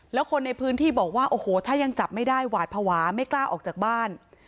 แล้วคนในพื้นที่บอกว่าโอ้โหถ้ายังจับไม่ได้หวาดภาวะไม่กล้าออกจากบ้าน